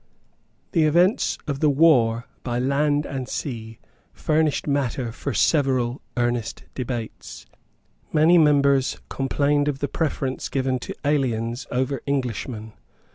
The events of the war by land and sea furnished matter for several earnest debates. Many members complained of the preference given to aliens over Englishmen.